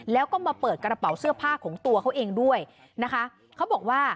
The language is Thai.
แล้วก็มาเปิดกระเป๋าเสื้อผ้าของตัวเขาเองด้วยนะคะเขาบอกว่า